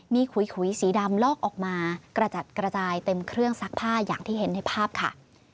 มีขุยสีดำลอกออกมากระจัดกระจายเต็มเครื่องซักผ้าอย่างที่เห็นในภาพค่ะ